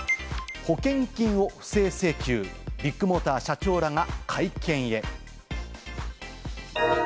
保険金を不正請求、ビッグモーター社長らが会見へ。